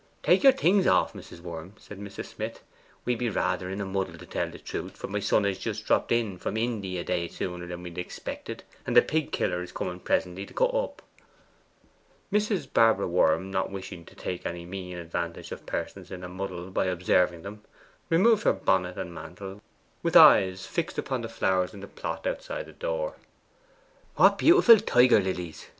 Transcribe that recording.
'Take your things off, Mrs. Worm,' said Mrs. Smith. 'We be rather in a muddle, to tell the truth, for my son is just dropped in from Indy a day sooner than we expected, and the pig killer is coming presently to cut up.' Mrs. Barbara Worm, not wishing to take any mean advantage of persons in a muddle by observing them, removed her bonnet and mantle with eyes fixed upon the flowers in the plot outside the door. 'What beautiful tiger lilies!